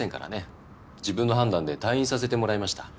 自分の判断で退院させてもらいました。